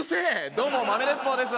どうも豆鉄砲です。